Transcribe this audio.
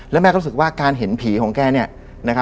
แล้วแม่ก็รู้สึกว่าการเห็นผีของแก